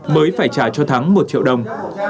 mới phải trả cho thắng một triệu đồng